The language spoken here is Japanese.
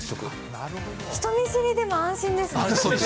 人見知りでも安心ですね。